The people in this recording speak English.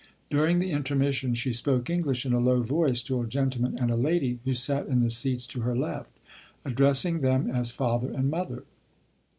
During the intermission she spoke English in a low voice to a gentleman and a lady who sat in the seats to her left, addressing them as father and mother.